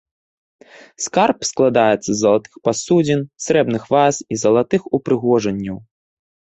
Скарб складаецца з залатых пасудзін, срэбных ваз і залатых упрыгожанняў.